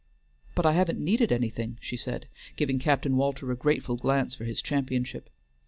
"But I haven't needed anything," she said, giving Captain Walter a grateful glance for his championship.